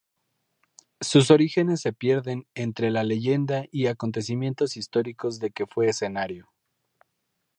Sus orígenes se pierden entre la leyenda y acontecimientos históricos de que fue escenario.